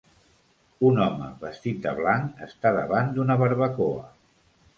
un home vestit de blanc està davant d'una barbacoa.